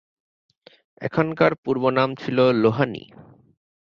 এখানকার পূর্ব নাম ছিলো লোহানী।